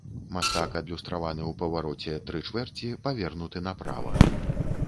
Мастак адлюстраваны ў павароце тры чвэрці, павернуты направа.